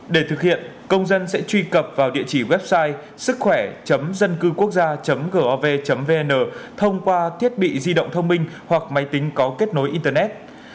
để thực hiện công dân sẽ truy cập vào địa chỉ website sứckhoẻ dâncưquốcgia gov vn thông qua thiết bị di động thông minh hoặc máy tính có kết nối internet